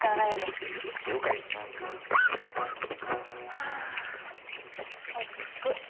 はぁ落ち着く。